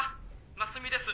真澄です！」